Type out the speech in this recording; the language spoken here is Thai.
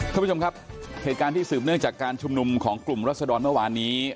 ท่านผู้ชมครับเหตุการณ์ที่สืบเนื่องจากการชุมนุมของกลุ่มรัศดรเมื่อวานนี้